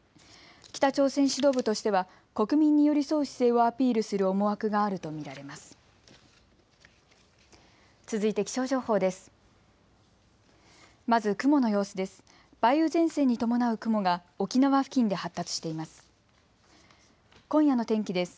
北朝鮮指導部としては国民に寄り添う姿勢をアピールする思惑があると見られます。